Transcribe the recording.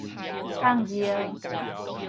放尿